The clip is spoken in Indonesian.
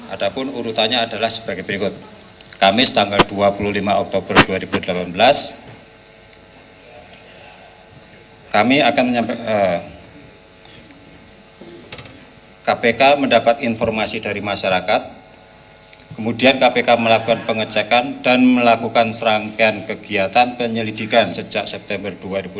ada pun urutannya adalah sebagai berikut kamis tanggal dua puluh lima oktober dua ribu delapan belas kpk mendapat informasi dari masyarakat kemudian kpk melakukan pengecekan dan melakukan serangkaian kegiatan penyelidikan sejak september dua ribu delapan belas